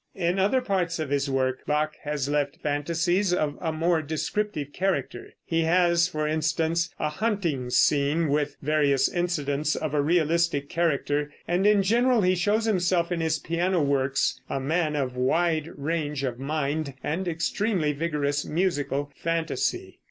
In other parts of his work Bach has left fantasies of a more descriptive character. He has, for instance, a hunting scene with various incidents of a realistic character, and in general he shows himself in his piano works a man of wide range of mind and extremely vigorous musical fantasy.